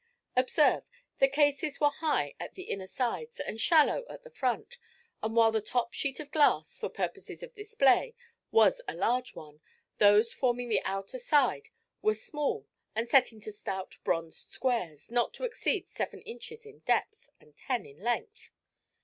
Observe, the cases were high at the inner sides and shallow at the front, and while the top sheet of glass, for purposes of display, was a large one, those forming the outer side were small and set into stout bronzed squares not to exceed seven inches in depth and ten in length.